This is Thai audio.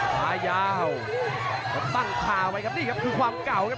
ขายาวเขาตั้งคาไว้ครับนี่ครับคือความเก่าครับ